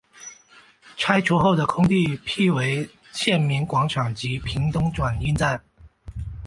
拆除后的空地辟为县民广场及屏东转运站。